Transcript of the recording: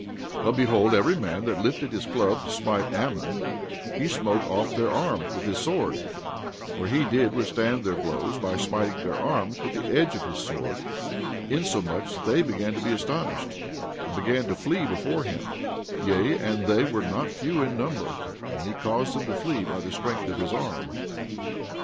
17:37 But behold, every man that lifted his club to smite Ammon, he smote off their arms with his sword; for he did withstand their blows by smiting their arms with the edge of his sword, insomuch that they began to be astonished, and began to flee before him; yea, and they were not few in number; and he caused them to flee by the strength of his arm.